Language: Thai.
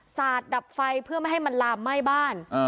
สาดดับไฟเพื่อไม่ให้มันลามไหม้บ้าน